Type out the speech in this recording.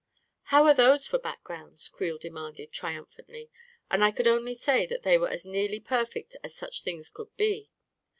"How are those for backgrounds?" Creel de manded, triumphantly; and I could only say that they were as nearly perfect as such things could be.